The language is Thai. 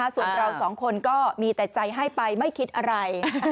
ส่วนเราสองคนก็มีแต่ใจให้ไปไม่คิดอะไร